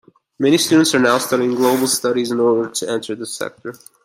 Many students are now studying global studies in order to enter this sector.